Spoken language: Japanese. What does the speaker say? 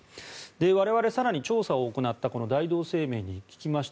我々更に、調査を行った大同生命に聞きました。